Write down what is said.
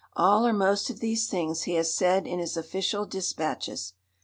All or most of these things he has said in his official dispatches.